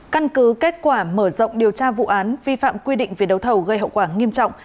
căn cứ kết quả mở rộng điều tra vụ án vi phạm quy định về đấu thầu gây hậu quả nghiêm trọng